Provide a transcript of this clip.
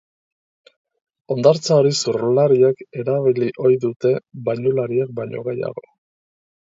Hondartza hori surflariek erabili ohi dute, bainulariek baino gehiago.